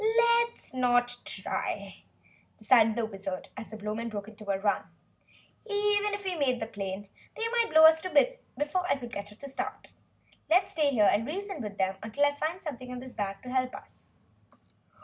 "Let's not try," decided the Wizard, as the Blowmen broke into a run. "Even if we made the plane, they might blow us to bits before I could get her started. Let's stay here and reason with them till I find something in this bag to help us."